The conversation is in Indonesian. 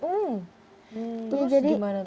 itu terus gimana tuh